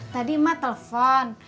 tadi mak telpon